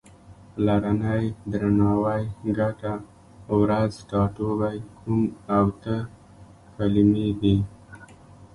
پلرنی، درناوی، ګټه، ورځ، ټاټوبی، کوم او ته کلمې دي.